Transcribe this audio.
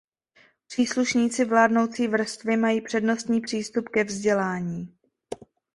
Příslušníci vládnoucí vrstvy mají přednostní přístup ke vzdělání.